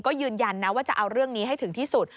ก็ยืนยันนะว่าจะเอาเรื่องนี้ให้ถึงที่สุด